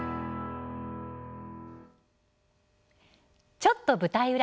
「ちょっと舞台裏」